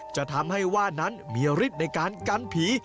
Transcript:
จะทำให้ว่านั้นมีฤทธิ์ในการกันผี